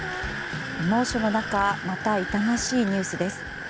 猛暑の中また痛ましいニュースです。